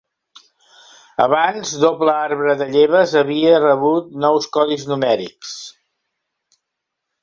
Abans, doble arbre de lleves havia rebut nous codis numèrics.